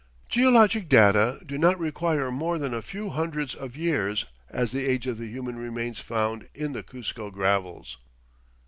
"Geologic data do not require more than a few hundreds of years as the age of the human remains found in the Cuzco gravels."